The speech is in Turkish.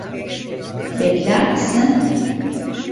Bekler misin?